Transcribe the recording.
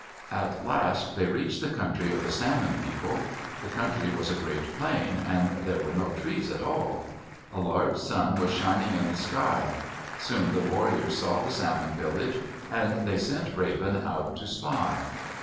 At last they reached the country of the Salmon People. The country was a great plain, and there were no trees at all. A large sun was shining in the sky. Soon the warriors saw the Salmon village and they sent Raven out to spy.